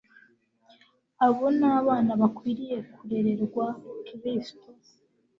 abo ni abana bakwiriye kurererwa Kristo.